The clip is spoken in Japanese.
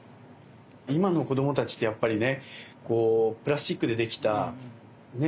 今の子供たちってやっぱりねこうプラスチックでできたねえ